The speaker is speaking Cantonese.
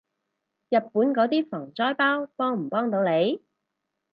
日本嗰啲防災包幫唔幫到你？